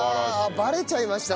バレちゃいました。